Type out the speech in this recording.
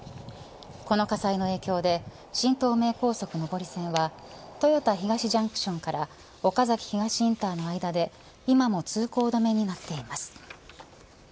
この火災の影響で新東名高速上り線は豊田東ジャンクションから岡崎東インターの間で今も通行止めになっています。